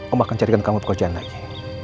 om akan carikan kamu pekerjaan lagi